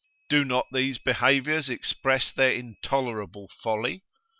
Do not these behaviours express their intolerable folly?